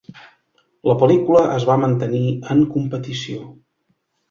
La pel·lícula es va mantenir en competició.